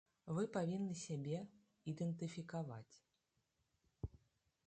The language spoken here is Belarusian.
Вы павінны сябе ідэнтыфікаваць.